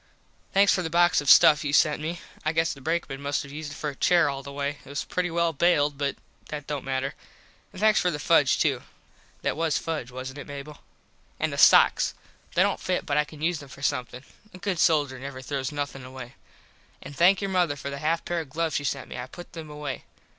Thanks for the box of stuff you sent me. I guess the brakeman must have used it for a chair all the way. It was pretty well baled but that dont matter. And thanks for the fudge too. That was fudge wasnt it, Mable? And the sox. They dont fit but I can use them for somethin. A good soldier never throws nothin away. An thank your mother for the half pair of gloves she sent me. I put them away.